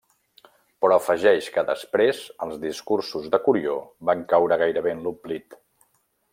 Però afegeix, que després, els discursos de Curió van caure gairebé en l'oblit.